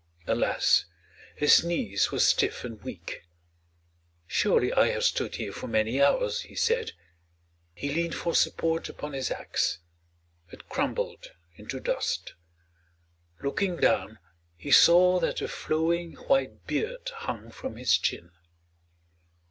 Alas, his knees were stiff and weak. "Surely I have stood here for many hours," he said. He leaned for support upon his axe; it crumbled into dust. Looking down he saw that a flowing white beard hung from his chin.